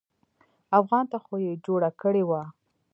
افغان ته خو يې جوړه کړې وه.